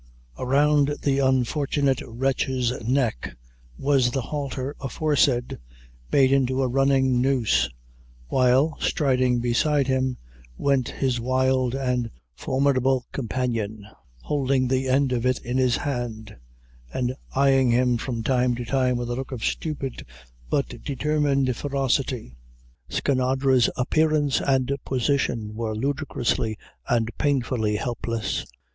Around the unfortunate wretch's neck was the halter aforesaid, made into a running noose, while, striding beside him, went his wild and formidable companion, holding the end of it in his hand, and eyeing him from time to time with a look of stupid but determined ferocity. Skinadre's appearance and position were ludicrously and painfully helpless.